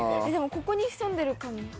ここに潜んでいるかも。